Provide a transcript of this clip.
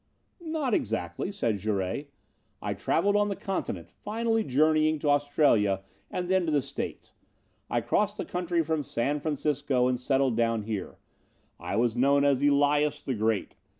"Not exactly," said Jouret. "I traveled on the continent, finally journeying to Australia and then to the States. I crossed the country from San Francisco and settled down here. I was known as 'Elias, the Great.'